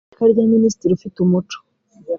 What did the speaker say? iteka rya minisitiri ufite umuco